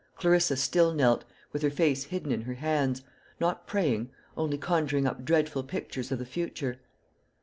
Clarissa still knelt, with her face hidden in her hands, not praying, only conjuring up dreadful pictures of the future.